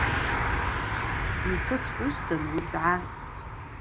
Мцы схӏвузтын уицӏгӏа.